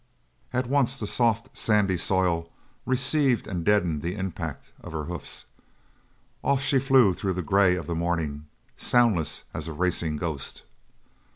At once the soft sandy soil received and deadened the impact of her hoofs. Off she flew through the grey of the morning, soundless as a racing ghost.